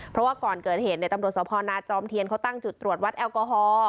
เพราะว่าก่อนเกิดเหตุตำรวจสพนาจอมเทียนเขาตั้งจุดตรวจวัดแอลกอฮอล์